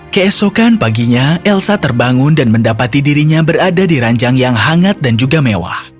keesokan paginya elsa terbangun dan mendapati dirinya berada di ranjang yang hangat dan juga mewah